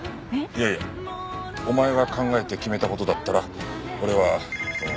いやいやお前が考えて決めた事だったら俺は。